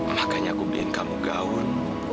makanya aku bikin kamu gaun